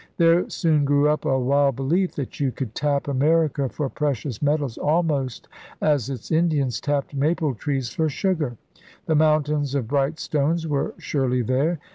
There soon grew up a wild belief that you could tap America for precious metals almost as its Indians tapped maple trees for sugar. The 'Mountains of Bright Stones' were surely there.